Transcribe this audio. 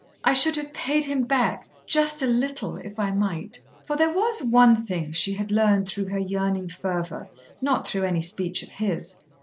I should have paid him back just a little if I might." For there was one thing she had learned through her yearning fervour, not through any speech of his.